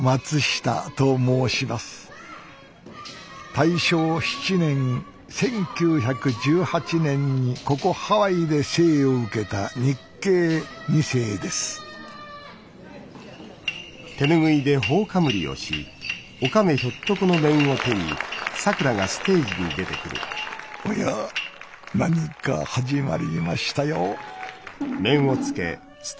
大正７年１９１８年にここハワイで生を受けた日系２世です・おや何か始まりましたよ